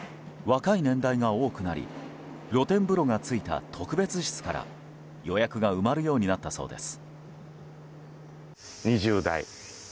若い年代が多くなり露天風呂がついた特別室から、予約が埋まるようになったそうです。